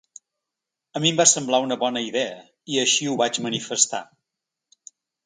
A mi em va semblar una bona idea i així ho vaig manifestar.